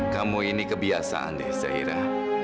kamu ini kebiasaan deh zaira